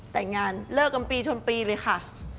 แต่งงานเลิกกันปีชนปีเลยค่ะ